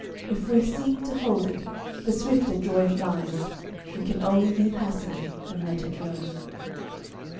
If we seek to hold it, the swifter joy flies We can only be passive, and let it go.